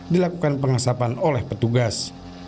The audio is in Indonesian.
dilakukan pengasapan oleh petugas